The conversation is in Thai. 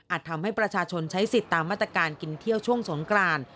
ทำให้ประชาชนใช้สิทธิ์ตามมาตรการกินเที่ยวช่วงสงกราน